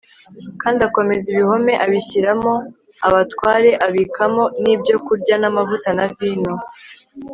kandi akomeza ibihome, abishyiramo abatware, abikamo n'ibyokurya n'amavuta na vino